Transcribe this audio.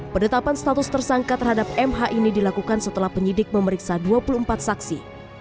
penetapan status tersangka terhadap mh ini dilakukan setelah penyidik memeriksa dua puluh empat saksi